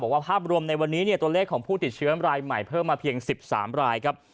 ภาพรวมในวันนี้ตัวเลขของผู้ติดเชื้อรายใหม่เพิ่มมาเพียง๑๓รายครับ